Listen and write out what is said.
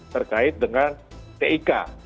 terkait dengan tik